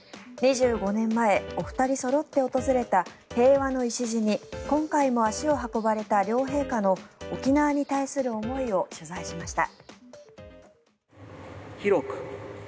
２５年前、お二人そろって訪れた平和の礎に今回も足を運ばれた両陛下の沖縄に対する思いを取材しました。